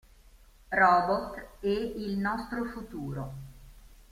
Robot e il nostro futuro".